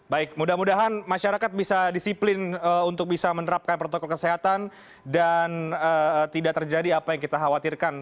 baik mudah mudahan masyarakat bisa disiplin untuk bisa menerapkan protokol kesehatan dan tidak terjadi apa yang kita khawatirkan